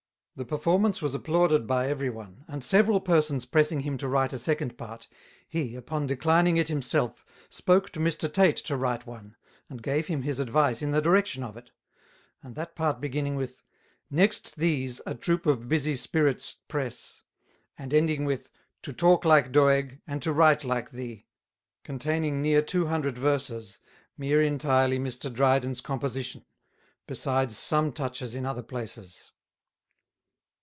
The performance was applauded by every one; and several persons pressing him to write a second part, he, upon declining it himself, spoke to Mr Tate to write one, and gave him his advice in the direction of it; and that part beginning with "Next these, a troop of busy spirits press," and ending with "To talk like Doeg, and to write like thee," containing near two hundred verses, mere entirely Mr Dryden's composition, besides some touches in other places.